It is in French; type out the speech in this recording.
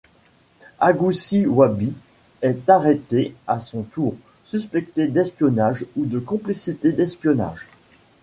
Agoussi Wabi est arrêté à son tour, suspecté d'espionnage ou de complicité d'espionnage.